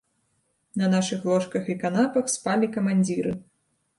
На нашых ложках і канапах спалі камандзіры.